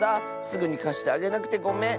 すぐにかしてあげなくてごめん！